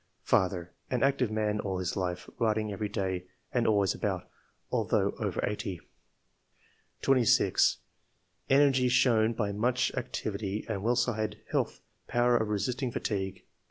^^ Father — An active man all his life, riding every day, and always about, although over eighty/' 26. " Energy shown by much activity, and, whilst I had health, power of resisting fatigue.